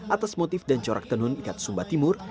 atas motif dan corak tenun ikat sumba timur